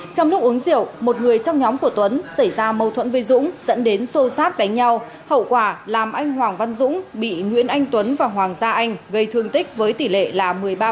trong lúc uống rượu một người trong nhóm của tuấn xảy ra mâu thuẫn với dũng dẫn đến xô xát đánh nhau hậu quả làm anh hoàng văn dũng bị nguyễn anh tuấn và hoàng gia anh gây thương tích với tỷ lệ là một mươi ba